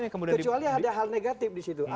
kecuali ada hal negatif di situ